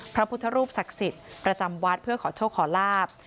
พระพุทธรูปศักดิ์สิทธิ์ประจำวัดเพื่อขอโชคขอลาบ